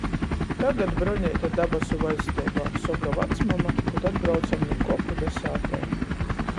"Tagad Broneite dabasu vaļsteibā," soka vacmama, kod atbraucam nu kopu da sātai.